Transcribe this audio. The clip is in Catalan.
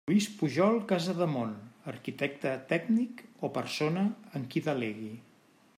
Lluís Pujol Casademont, Arquitecte Tècnic o persona en qui delegui.